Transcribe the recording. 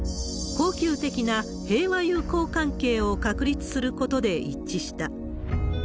恒久的な平和友好関係を確立することで一致した。